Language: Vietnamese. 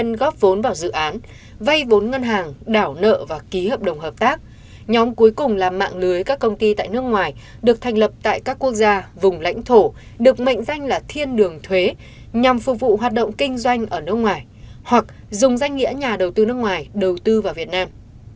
nhóm cuối cùng là mạng lưới các công ty tại nước ngoài được thành lập tại các quốc gia vùng lãnh thổ được mệnh danh là thiên đường thuế nhằm phục vụ hoạt động kinh doanh ở nước ngoài hoặc dùng danh nghĩa nhà đầu tư nước ngoài đầu tư vào việt nam